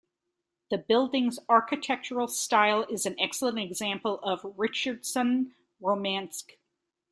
The building's architectural style is an excellent example of Richardsonian Romanesque.